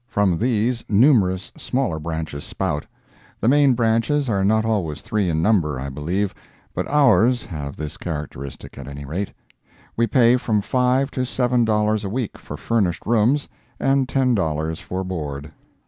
From these numerous smaller branches spout. The main branches are not always three in number, I believe, but our's have this characteristic, at any rate. We pay from five to seven dollars a week for furnished rooms, and ten dollars for board.